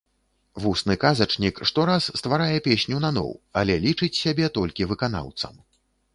Вусны казачнік штораз стварае песню наноў, але лічыць сябе толькі выканаўцам.